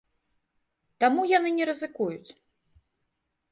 Таму яны не рызыкуюць.